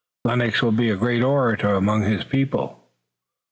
Lennox will be a great orator among his people."